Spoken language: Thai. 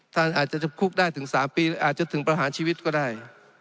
ท่านอาจจะจำคุกได้ถึง๓ปีอาจจะถึงประหารชีวิตก็ได้